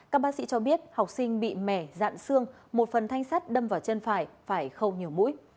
các bác sĩ cho biết học sinh bị mẻ dạn xương một phần thanh sắt đâm vào chân phải phải khâu nhiều mũi